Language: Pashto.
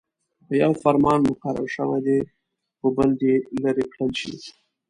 په يوه فرمان مقرر شوي دې په بل دې لیرې کړل شي.